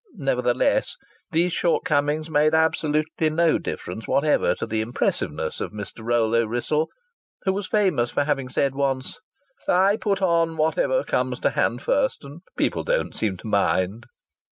Nevertheless, these shortcomings made absolutely no difference whatever to the impressivness of Mr. Rollo Wrissell, who was famous for having said once, "I put on whatever comes to hand first, and people don't seem to mind."